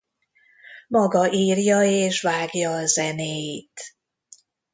Maga írja és vágja a zenéit.